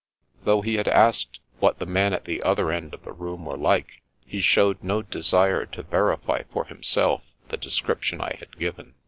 Though he had asked *' what the men at the other end of the room were like," he showed no desire to verify for himself the description I had given.